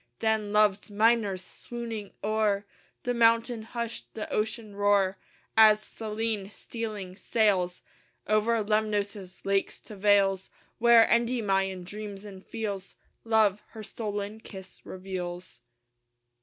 Then Love's minors, swooning o'er The mountain hush, the ocean roar, As Selene, stealing, sails Over Lemnos' lakes to vales Where Endymion dreams and feels Love her stolen kiss reveals.